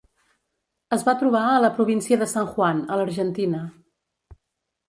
Es va trobar a la província de San Juan, a l'Argentina.